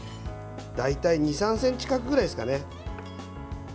大体２３ｃｍ角くらいですかね。